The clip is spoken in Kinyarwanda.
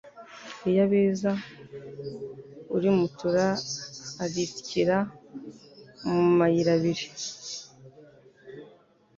Iyo abeza urimutura arisyira mu mayirabiri